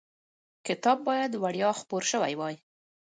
کتاب باید وړیا خپور شوی وای.